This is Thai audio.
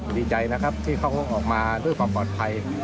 ดีใจนะครับที่เขาออกมาด้วยความปลอดภัย